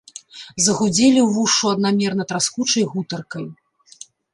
Загудзелі ўвушшу аднамерна траскучай гутаркай.